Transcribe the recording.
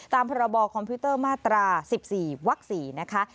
ตามพรบคอมพิวเตอร์มาตรา๑๔วัก๔นะคะ